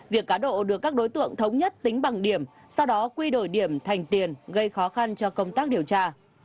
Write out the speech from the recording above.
việc cá độ được các đối tượng thống nhất tính bằng điểm sau đó quy đổi điểm thành tiền gây khó khăn cho công tác điều tra